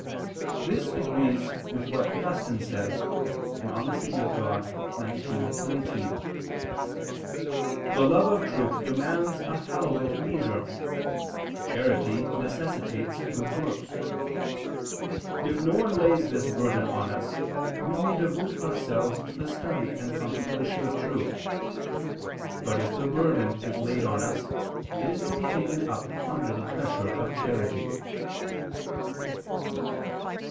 This agrees with what Augustine says (De Civ. Dei xix, 19): "The love of truth demands a hallowed leisure; charity necessitates good works. If no one lays this burden on us we may devote ourselves to the study and contemplation of truth; but if the burden is laid on us it is to be taken up under the pressure of charity."